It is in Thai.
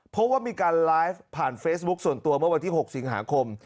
เพราะว่ามีการไลฟ์ผ่านเฟซบุ๊คส่วนตัวเมื่อวันที่๖สิงหาคม